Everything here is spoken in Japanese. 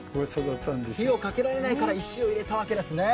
手をかけられないから石を入れたわけですね。